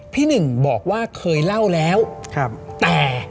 พี่หนึ่งบอกว่าเคยเล่าแล้วแต่